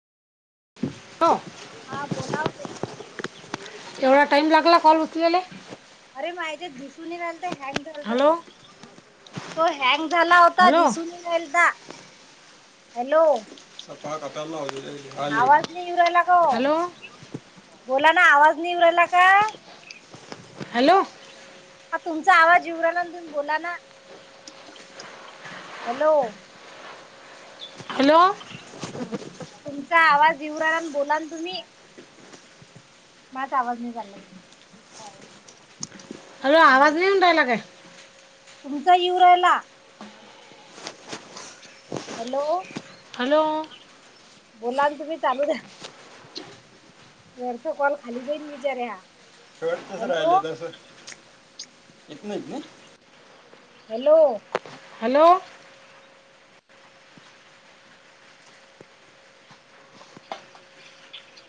हो हा बोलावते, एवढा टाइम लागला कॉल उचलेला. अरे माझ्याे दिसून राहिलं तर हॅलो हँग तो हँग झाला होता हॅलो जिसून हॅलो, स पाहा कताला होऊ आवाज नाही येऊ राहिला का बोला ना आवाज नाही उ राहिला का? हॅलो, ह तुमचा आवाज येउवराला ना तुम्ही बोला ना हॅलो, हॅलो, तुमचा आवाज इवराला आणि बोलान तुम्ही माझ आवाज नाही चालला बा अॅ आवाज नाहीऊूनतय लागे तुमचा येऊ राहिला हॅलो हॅलो बोलाल तुम्ही चालू द्या वर त कॉल खाली देईन विचार ह शेवट तस राहिलं तस इत नाहीत नाही हॅलो हॅलो